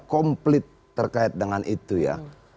komplit terkait dengan itu ya